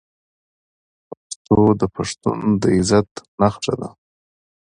پښتو د پښتون د عزت نښه ده.